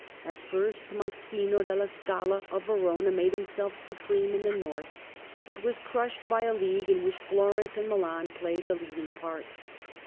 At first Mastino della Scala of Verona made himself supreme in the North, but was crushed by a league in which Florence and Milan played the leading part.